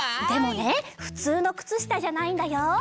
でもねふつうのくつしたじゃないんだよ。